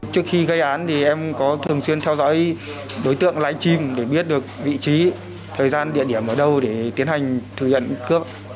trước khi gây án thì em có thường xuyên theo dõi đối tượng lãnh chim để biết được vị trí thời gian địa điểm ở đâu để tiến hành thực hiện cướp